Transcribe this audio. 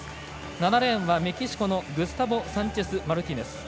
７レーンはメキシコのグスタボ・サンチェスマルティネス。